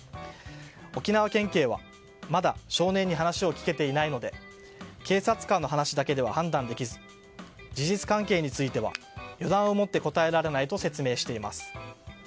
沖縄県警はまだ少年に話を聞けていないので警察官の話だけでは判断できず事実関係については予断をもって答えられないと説明しています。